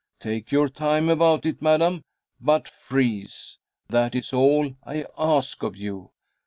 Take your time about it, madam, but freeze, that is all I ask of you."